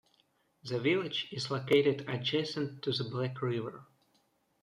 The village is located adjacent to the Black River.